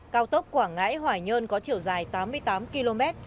cao tốc quảng ngãi hòa nhơn có chiều dài tám mươi tám km